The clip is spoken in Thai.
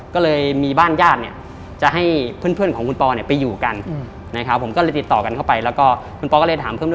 ก็เลยมีบ้านญาติเนี่ยจะให้เพื่อนของคุณปอเนี่ยไปอยู่กันนะครับผมก็เลยติดต่อกันเข้าไปแล้วก็คุณปอก็เลยถามเพิ่ม